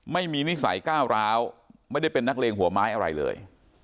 นิสัยก้าวร้าวไม่ได้เป็นนักเลงหัวไม้อะไรเลย